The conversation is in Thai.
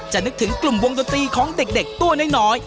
นึกถึงกลุ่มวงดนตรีของเด็กตัวน้อย